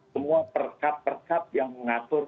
semua perkap perkab yang mengatur